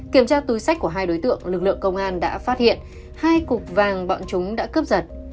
kiểm tra túi sách của hai đối tượng lực lượng công an đã phát hiện hai cục vàng bọn chúng đã cướp giật